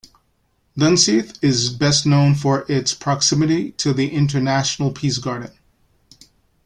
Dunseith is best known for its proximity to the International Peace Garden.